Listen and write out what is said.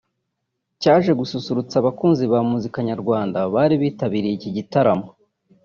cyaje gususurutsa abakunzi ba muzika nyarwanda bari bitabiriye iki gitarmo